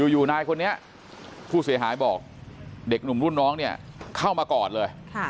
อยู่นายคนนี้ผู้เสียหายบอกเด็กหนุ่มรุ่นน้องเนี่ยเข้ามากอดเลย